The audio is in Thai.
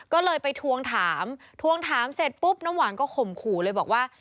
ก็เลยไปทวงถามทวงถามเสร็จปุ๊บน้ำหวานก็ข่มขู่เลยบอกว่า